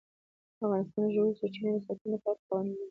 افغانستان د ژورې سرچینې د ساتنې لپاره قوانین لري.